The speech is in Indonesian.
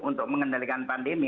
untuk mengendalikan pandemi